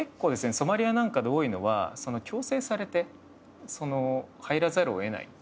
ソマリアなんかで多いのは強制されて入らざるを得ないっていうのが多くてですね